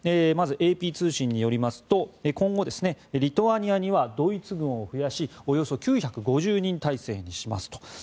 まずＡＰ通信によりますと今後、リトアニアにはドイツ軍を増やしおよそ９５０人態勢にしますと。